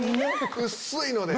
薄いので。